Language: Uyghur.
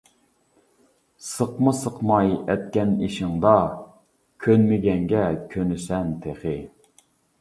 سىقما سىقماي ئەتكەن ئېشىڭدا، كۆنمىگەنگە كۆنىسەن تېخى.